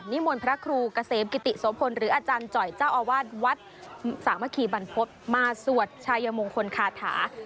มนต์พระครูเกษมกิติโสพลหรืออาจารย์จ่อยเจ้าอาวาสวัดสามัคคีบรรพบมาสวดชายมงคลคาถา